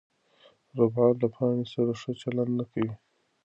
رابعه له پاڼې سره ښه چلند نه کوي.